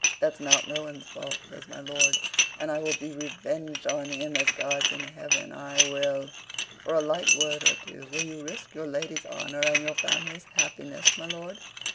"That's not Mohun's fault," says my lord, "and I will be revenged on him, as God's in heaven, I will." "For a light word or two, will you risk your lady's honor and your family's happiness, my lord?"